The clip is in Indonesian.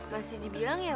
masih dibilang ya